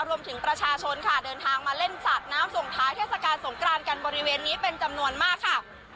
รวมถึงประชาชนค่ะเดินทางมาเล่นสาดน้ำส่งท้ายเทศกาลสงกรานกันบริเวณนี้เป็นจำนวนมากค่ะ